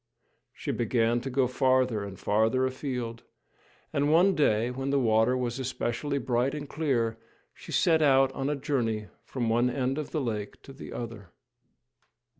She began to go farther and farther afield, and one day, when the water was especially bright and clear, she set out on a journey from one end of the lake to the other.